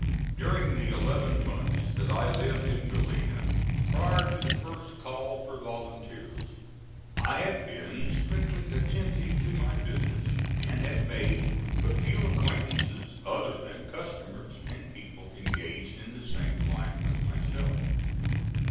During the eleven months that I lived in Galena prior to the first call for volunteers, I had been strictly attentive to my business, and had made but few acquaintances other than customers and people engaged in the same line with myself.